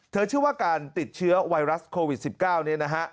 เชื่อว่าการติดเชื้อไวรัสโควิด๑๙นี้นะฮะ